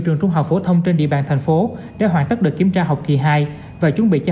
trang thông tin điện tử của các tổ chức